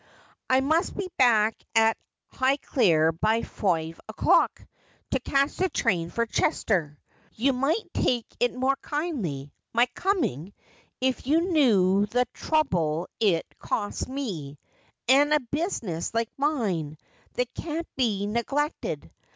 I must be back at High clere by foive o'clock to catch the train for Chester. You moight take it more koindly, my comin', if you knew the throuble it cost me — an' a business like mine, that can't be neglected.